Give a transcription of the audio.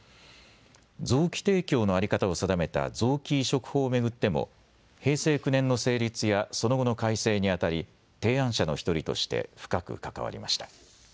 臓器提供の在り方を定めた臓器移植法を巡っても平成９年の成立やその後の改正にあたり提案者の１人として深く関わりました。